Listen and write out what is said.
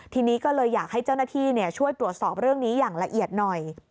ทีนี้ก็เลยอยากให้เจ้าหน้าที่ช่วยตรวจสอบเรื่องนี้อย่างละเอียดหน่อย